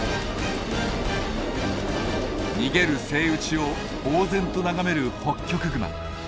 逃げるセイウチをぼう然と眺めるホッキョクグマ。